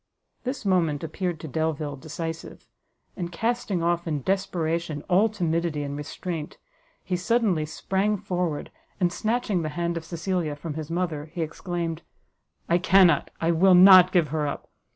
This moment appeared to Delvile decisive; and casting off in desperation all timidity and restraint, he suddenly sprang forward, and snatching the hand of Cecilia from his mother, he exclaimed, "I cannot, I will not give her up!